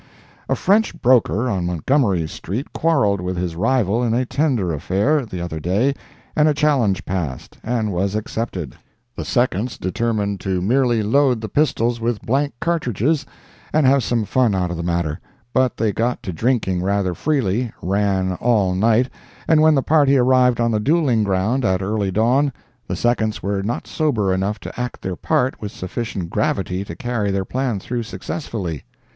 A French broker on Montgomery street quarreled with his rival in a tender affair, the other day, and a challenge passed, and was accepted. The seconds determined to merely load the pistols with blank cartridges, and have some fun out of the matter; but they got to drinking rather freely, ran all night, and when the party arrived on the dueling ground, at early dawn, the seconds were not sober enough to act their part with sufficient gravity to carry their plan through successfully.